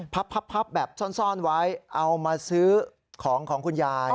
พับแบบซ่อนไว้เอามาซื้อของของคุณยาย